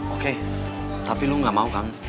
oke tapi lo gak mau kan